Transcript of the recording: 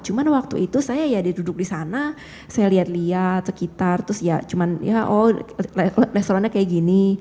cuma waktu itu saya ya duduk di sana saya lihat lihat sekitar terus ya cuma ya oh restorannya kayak gini